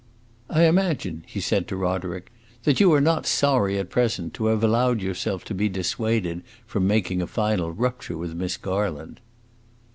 "I imagine," he said to Roderick, "that you are not sorry, at present, to have allowed yourself to be dissuaded from making a final rupture with Miss Garland."